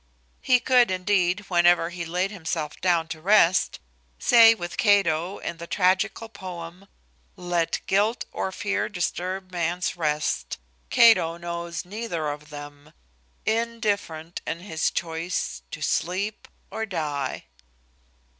He could, indeed, whenever he laid himself down to rest, say with Cato in the tragical poem Let guilt or fear Disturb man's rest: Cato knows neither of them; Indifferent in his choice to sleep or die.